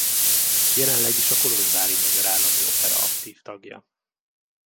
Jelenleg is a Kolozsvári Magyar Állami Opera aktív tagja.